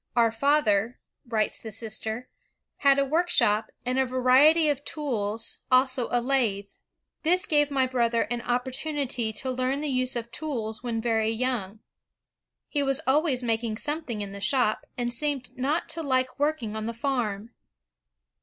"Our father," writes the sister, "had a workshop ... and a variety of tools, also a lathe. This gave my brother an oppor .tunity ... to learn the use of tools when very young. .., He was always making something in the shop, and seemed not to like working on the farm.